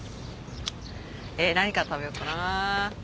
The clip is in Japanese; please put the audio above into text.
え何から食べようかな？